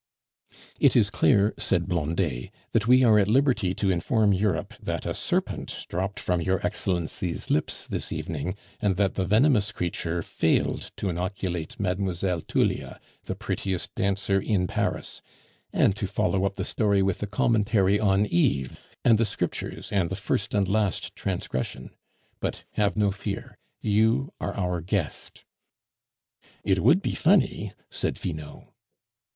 "It is clear," said Blondet, "that we are at liberty to inform Europe that a serpent dropped from your Excellency's lips this evening, and that the venomous creature failed to inoculate Mlle. Tullia, the prettiest dancer in Paris; and to follow up the story with a commentary on Eve, and the Scriptures, and the first and last transgression. But have no fear, you are our guest." "It would be funny," said Finot.